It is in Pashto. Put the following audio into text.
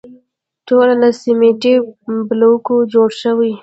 ټول له سیمټي بلوکو جوړ شوي.